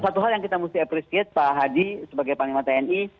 satu hal yang kita mesti appreciate pak hadi sebagai panglima tni